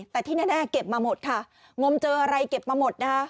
แต่ที่แน่เก็บมาหมดค่ะงมเจออะไรเก็บมาหมดนะคะ